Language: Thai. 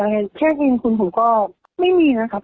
เมื่อเขียกกินคุณก็ไม่มีนะครับ